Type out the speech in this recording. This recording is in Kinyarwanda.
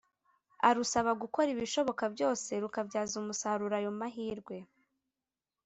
arusaba gukora ibishoboka byose rukabyaza umusaruro ayo mahirwe